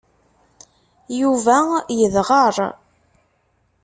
Yuba yedɣer.